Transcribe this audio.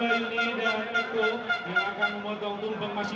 ya lifter meraih medali perang untuk indonesia